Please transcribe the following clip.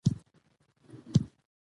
- له امر کولو مخکې اطاعت زده کړه.